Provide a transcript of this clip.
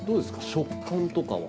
食感とかは。